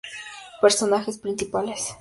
Personajes principales.